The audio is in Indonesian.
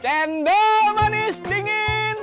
cendal manis dingin